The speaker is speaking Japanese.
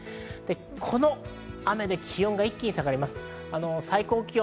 この雨で気温が一気に下がります。